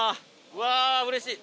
うわーうれしい。